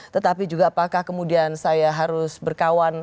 tetapi juga apakah kemudian saya harus berkawan